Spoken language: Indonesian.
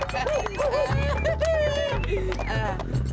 kepala mak cik cik